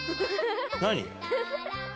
何？